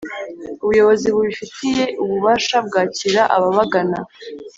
Ubuyobozi bubifitiye ububasha bwakira ababagana